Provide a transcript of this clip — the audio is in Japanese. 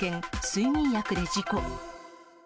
睡眠薬で事故。